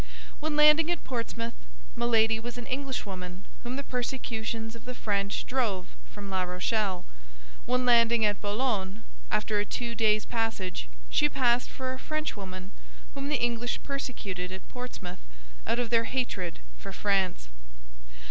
When landing at Portsmouth, Milady was an Englishwoman whom the persecutions of the French drove from La Rochelle; when landing at Boulogne, after a two days' passage, she passed for a Frenchwoman whom the English persecuted at Portsmouth out of their hatred for France.